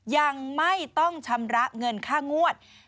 ยังไม่ต้องชำระเงินค่างวด